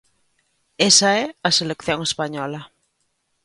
Esa é a selección española.